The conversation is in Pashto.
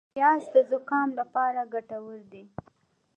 پیاز د زکام لپاره ګټور دي